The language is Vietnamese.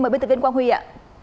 bên tập viên quang huy ạ